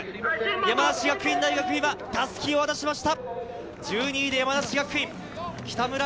山梨学院大学、今、襷を渡しました。